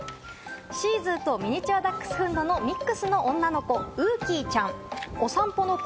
シーズーとミニチュアダックスフントのミックスの女の子、うーきーちゃん。